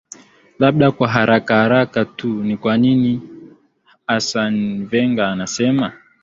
labda kwa haraka haraka tu ni kwa nini asan venga anasema